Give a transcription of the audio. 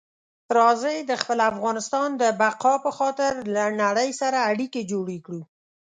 راځئ د خپل افغانستان د بقا په خاطر له نړۍ سره اړیکي جوړې کړو.